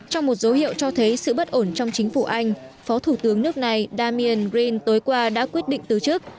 trong một dấu hiệu cho thấy sự bất ổn trong chính phủ anh phó thủ tướng nước này damien grin tối qua đã quyết định từ chức